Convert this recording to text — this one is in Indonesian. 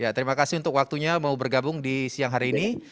ya terima kasih untuk waktunya mau bergabung di siang hari ini